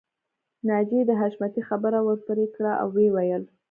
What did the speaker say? ناجیې د حشمتي خبره ورپرې کړه او ويې ويل